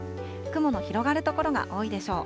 雲の広がる所が多いでしょう。